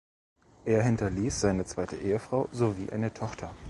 Er hinterließ seine zweite Ehefrau sowie eine Tochter.